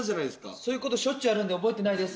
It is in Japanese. そういうことしょっちゅうあるんで覚えてないです。